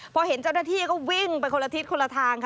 พอเห็นเจ้าหน้าที่ก็วิ่งไปคนละทิศคนละทางค่ะ